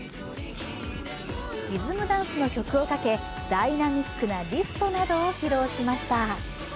リズムダンスの曲をかけダイナミックなリフトなどを披露しました。